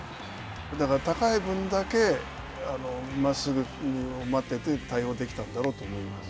だから高い分だけ、まっすぐを待ってて対応できたんだろうと思います。